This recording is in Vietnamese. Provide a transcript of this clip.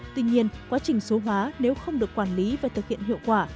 tuy nhiên quá trình số hóa nếu không được quản lý và thực hiện hiệu quả